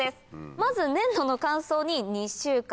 まず粘土の乾燥に２週間。